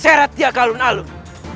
serat tiak alun alun